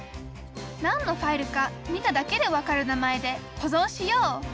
何のファイルか見ただけで分かる名前で保存しよう。